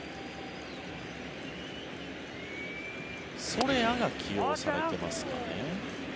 ソレアが起用されていますかね。